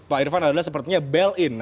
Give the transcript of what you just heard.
pak irfan adalah sepertinya bail in